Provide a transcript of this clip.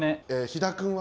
肥田君は？